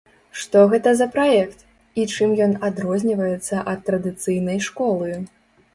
Што гэта за праект і чым ён адрозніваецца ад традыцыйнай школы?